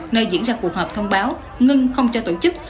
nơi diễn ra cuộc họp thông báo ngưng không cho tổ chức